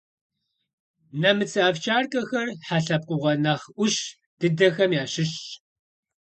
Нэмыцэ овчаркэхэр хьэ лъэпкъыгъуэ нэхъ ӏущ дыдэхэм ящыщщ.